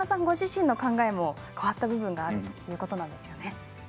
ご自身の考えも変わった部分があるということなんですよね。